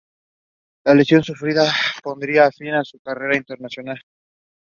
The trail loop begins and ends at the base of the iconic Minnehaha Falls.